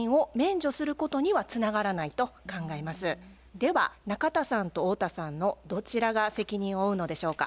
では中田さんと太田さんのどちらが責任を負うのでしょうか。